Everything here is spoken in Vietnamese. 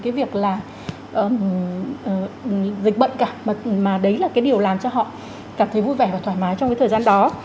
cái việc là dịch bệnh cả mà đấy là cái điều làm cho họ cảm thấy vui vẻ và thoải mái trong cái thời gian đó